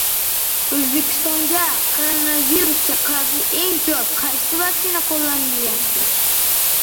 O‘zbekistonda koronavirusga qarshi eng ko‘p qaysi vaksina qo‘llanilayapti?